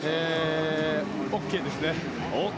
ＯＫですね。